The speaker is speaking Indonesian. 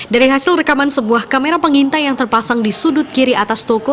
dari hasil rekaman sebuah kamera pengintai yang terpasang di sudut kiri atas toko